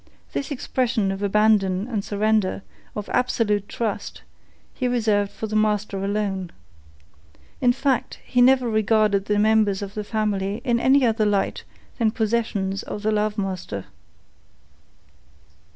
This expression of abandon and surrender, of absolute trust, he reserved for the master alone. In fact, he never regarded the members of the family in any other light than possessions of the love master.